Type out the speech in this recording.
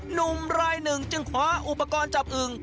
หนุ่มรายหนึ่งจึงคว้าอุปกรณ์จับอึง